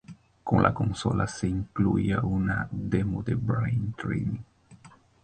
Con la consola se incluía una demo de Brain Training.